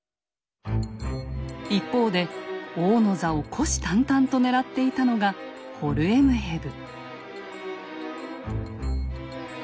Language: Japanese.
一方で王の座を虎視眈々と狙っていたのがホルエムヘブ。